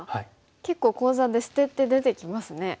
結構講座で「捨て」って出てきますね。